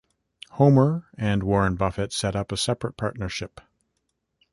Homer and Warren Buffett set up a separate partnership.